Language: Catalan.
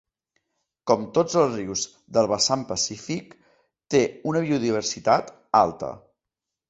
Com tots els rius del vessant pacífic, té una biodiversitat alta.